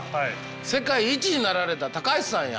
世界一になられた橋さんや。